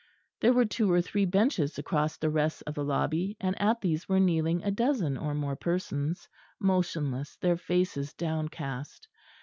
There were two or three benches across the rest of the lobby; and at these were kneeling a dozen or more persons, motionless, their faces downcast.